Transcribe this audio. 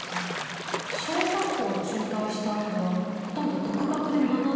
小学校を中退したあとはほとんど独学で学んでいたってことですよね？